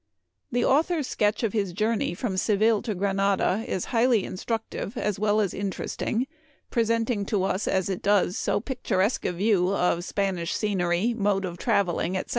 The author's sketch of his journey from Se . ville to Granada is highly instructive as well as interesting, presenting to us, as it does, so pic turesque a view of Spanish scenery, mode of traveling, etc.